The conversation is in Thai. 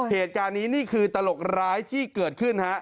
เหตุการณ์นี้นี่คือตลกร้ายที่เกิดขึ้นฮะ